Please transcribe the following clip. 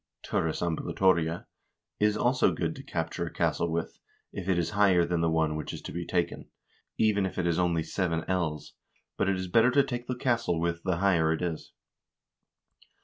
e. turris ambulatoria) is also good to cap ture a castle with, if it is higher than the one which is to be taken, even if it is only seven ells, but it is better to take the castle with the higher it is.